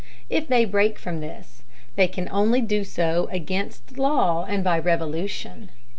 If they break from this, they can only do so against law and by revolution.